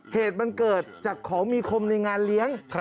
เหตุมันเกิดจากของมีคมในงานเลี้ยง